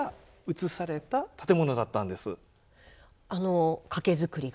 あの懸造りが。